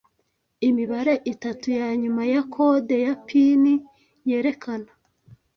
Imibare itatu yanyuma ya kode ya PIN yerekana